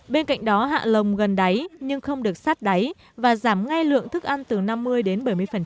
bên cạnh đó hạ lồng gần đáy nhưng không được sát đáy và giảm ngay lượng thức ăn từ năm mươi đến bảy mươi